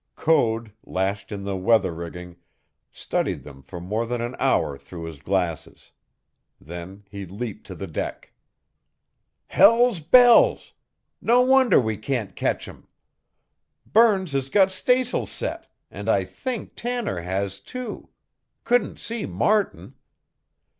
Code, lashed in the weather rigging, studied them for more than an hour through his glasses. Then he leaped to the deck. "Hell's bells! No wonder we can't catch 'em! Burns has got stays'l set, and I think Tanner has, too. Couldn't see Martin.